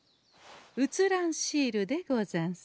写らんシールでござんす。